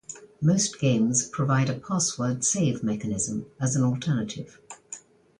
Most games provide a password save mechanism as an alternative.